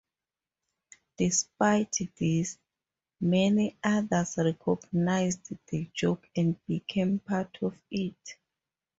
Despite this, many others recognised the joke and became part of it.